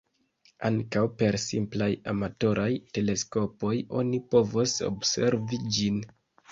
Ankaŭ per simplaj amatoraj teleskopoj oni povos observi ĝin.